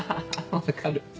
分かる。